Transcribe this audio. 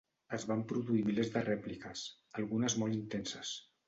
Es van produir milers de rèpliques, algunes molt intenses.